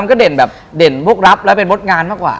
ก็เด่นแบบเด่นพวกรับแล้วเป็นมดงานมากกว่า